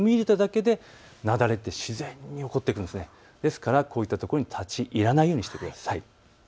ですから、こういったところに立ち入らないようにしてください。